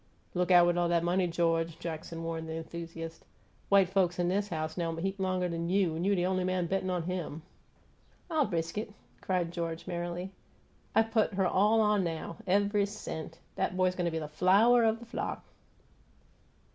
"Look out with all 'at money, George!" Jackson warned the enthusiast. "White folks 'n 'is house know 'im heap longer'n you. You the on'y man bettin' on 'im!" "I risk it!" cried George, merrily. "I put her all on now ev'y cent! 'At boy's go' be flower o' the flock!"